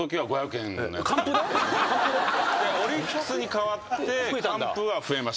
オリックスに変わって完封は増えましたね。